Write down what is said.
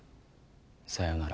さようなら